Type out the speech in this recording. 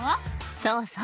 そうそう。